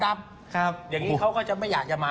อย่างนี้เขาก็จะไม่อยากจะมา